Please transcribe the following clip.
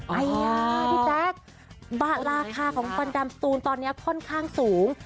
พี่แจ๊คราคาของฟันดำสตูนตอนนี้ค่อนข้างสูง